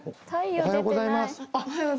おはようございます。